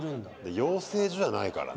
養成所じゃないからね。